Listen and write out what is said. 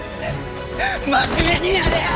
真面目にやれよ！